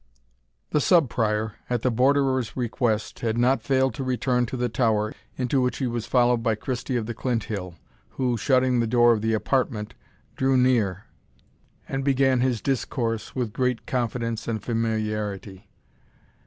The Sub Prior, at the Borderer's request, had not failed to return to the tower, into which he was followed by Christie of the Clinthill, who, shutting the door of the apartment, drew near, and began his discourse with great confidence and familiarity.